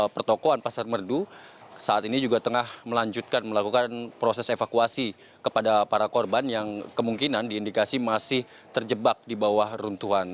pertokohan pasar merdu saat ini juga tengah melanjutkan melakukan proses evakuasi kepada para korban yang kemungkinan diindikasi masih terjebak di bawah runtuhan